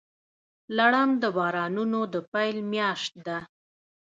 لړم د بارانونو د پیل میاشت ده.